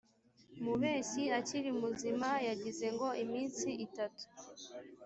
mubeshyi akiri muzima yagize ngo iminsi itatu